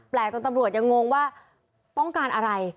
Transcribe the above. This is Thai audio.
จนตำรวจยังงงว่าต้องการอะไร